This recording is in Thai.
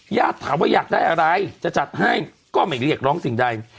ญาติถามว่าอยากได้อะไรจะจัดให้ก็ไม่เรียกร้องสิ่งใด